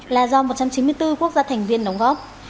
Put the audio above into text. là do một trăm chín mươi bốn quốc gia thành viên đóng góp